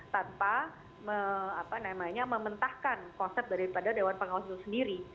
tanpa mementahkan konsep daripada dewan pengawas itu sendiri